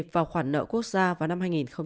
vào khoản nợ quốc gia vào năm hai nghìn ba mươi ba